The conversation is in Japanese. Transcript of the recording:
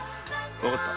わかった。